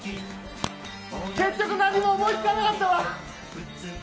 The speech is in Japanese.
結局何も思いつかなかったわ。